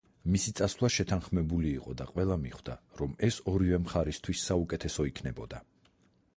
მისი წასვლა შეთანხმებული იყო და ყველა მიხვდა, რომ ეს ორივე მხარისთვის საუკეთესო იქნებოდა.